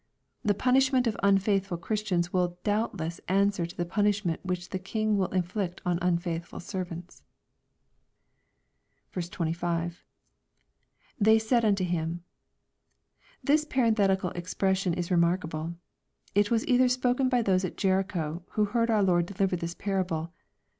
The punishment of unfaithful Chris tians will doubtless answer to the punishment which a king will inflict on unfaithful servants. 25. — [Thei/ said v/nio him, ciBc.] This parenthetical expression is re markable. It was either spoken by those at Jericho, who heard our Lord deliver this parable.